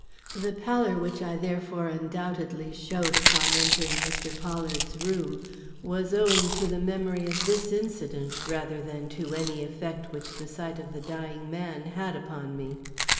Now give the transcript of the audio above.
The pallor which I therefore undoubtedly showed upon entering Mr. Pollard's room was owing to the memory of this incident rather than to any effect which the sight of the dying man had upon me.